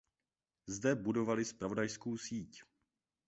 Zde budovali zpravodajskou síť.